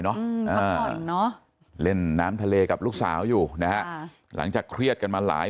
เนาะเล่นน้ำทะเลกับลูกสาวอยู่นะฮะหลังจากเครียดกันมาหลาย